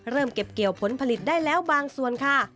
เก็บเกี่ยวผลผลิตได้แล้วบางส่วนค่ะ